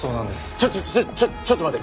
ちょちょちょちょっと待て！